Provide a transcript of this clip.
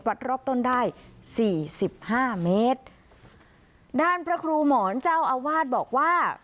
รอบต้นได้สี่สิบห้าเมตรด้านพระครูหมอนเจ้าอาวาสบอกว่า